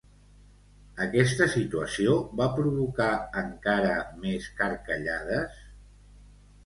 Aquesta situació va provocar encara més carcallades?